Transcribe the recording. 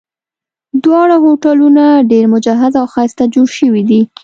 دواړه هوټلونه ډېر مجهز او ښایسته جوړ شوي دي.